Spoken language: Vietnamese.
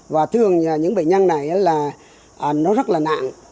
và thường những bệnh nhân này là nó rất là nặng